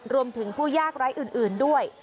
รวมถึงผู้ยากไร้อื่นด้วย